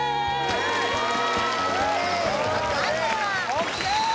ＯＫ